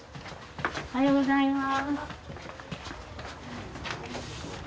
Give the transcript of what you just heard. おはようございます。